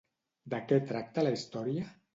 De què tracta la història?